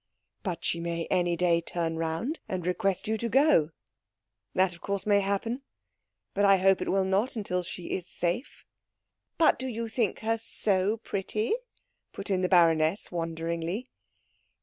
"But she may any day turn round and request you to go." "That of course may happen, but I hope it will not until she is safe." "But do you think her so pretty?" put in the baroness wonderingly.